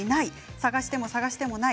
探しても探してもない。